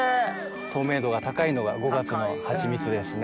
透明度が高いのが５月のハチミツですね。